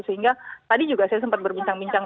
sehingga tadi juga saya sempat berbincang bincang